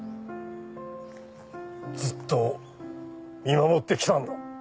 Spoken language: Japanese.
ずっと見守ってきたんだ。